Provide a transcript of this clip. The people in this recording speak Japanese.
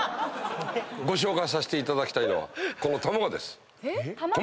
ご紹介させていただきたいのはこの。